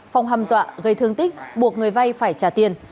phong hàm dọa gây thương tích buộc người vay phải trả tiền